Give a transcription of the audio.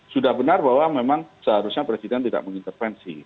sudah benar bahwa memang seharusnya presiden tidak mengintervensi